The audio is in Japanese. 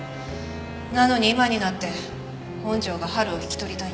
なのに今になって本城が晴を引き取りたいって。